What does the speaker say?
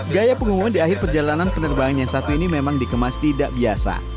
gaya pengumuman di akhir perjalanan penerbangan yang satu ini memang dikemas tidak biasa